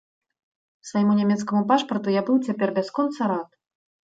Свайму нямецкаму пашпарту я быў цяпер бясконца рад.